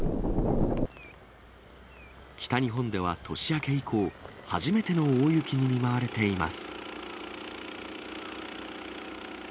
北日本では年明け以降、初めての大雪に見舞われています。